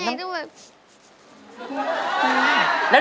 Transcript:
พึงพึง